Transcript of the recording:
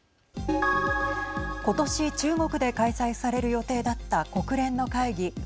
ことし中国で開催される予定だった国連の会議